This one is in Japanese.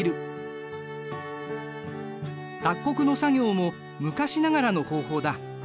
脱穀の作業も昔ながらの方法だ。